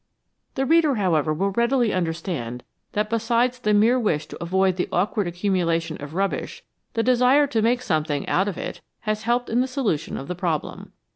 The reader, however, will readily understand that besides the mere wish to avoid the awkward accumula tion of rubbish, the desire to make something out of it has helped in the solution of the problem.